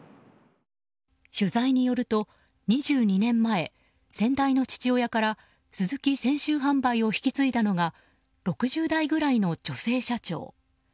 取材によると２２年前、先代の父親からスズキ泉州販売を引き継いだのが６０代ぐらいの女性社長。